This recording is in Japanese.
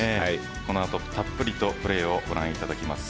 この後、たっぷりとプレーをご覧いただきます。